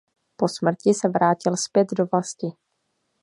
Po smrti se vrátil zpět do vlasti.